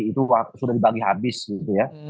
itu sudah dibagi habis gitu ya